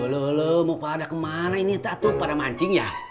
loh lo mau kemana ini tak tuh pada mancing ya